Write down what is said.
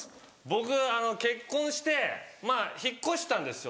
僕あの結婚してまぁ引っ越したんですよ